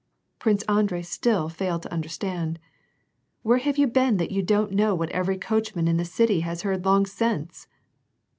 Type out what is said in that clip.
t Prince Andrei still failed to understand. " Where have you been that you don't know what every coachman in the city has heard long since."